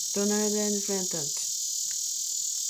Donngal and Feradach.